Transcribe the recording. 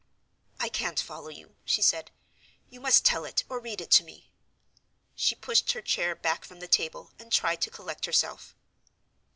"I can't follow you," she said. "You must tell it, or read it to me." She pushed her chair back from the table, and tried to collect herself.